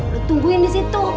lu tungguin di situ